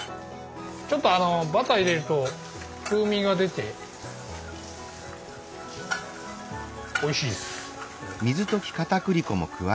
ちょっとあのバター入れると風味が出ておいしいっす。